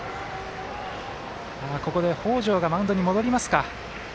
ここで、北條がマウンドに戻りますか。